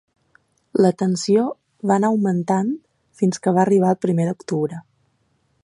La tensió va anar augmentant fins que va arribar el primer d’octubre.